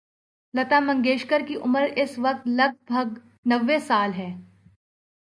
لتا منگیشکر کی عمر اس وقت لگ بھگ نّوے سال ہے۔